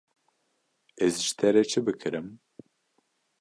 Ez ji te re çi bikirim.